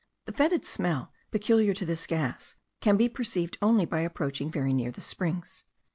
The fetid smell, peculiar to this gas, can be perceived only by approaching very near the springs.